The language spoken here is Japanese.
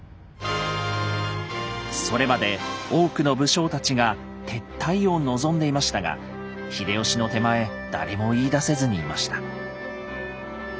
それまで多くの武将たちが撤退を望んでいましたが秀吉の手前誰も言い出せずにいました。